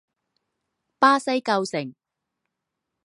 巴西构成。